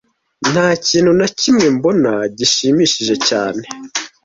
Nta kintu na kimwe mbona gishimishije cyane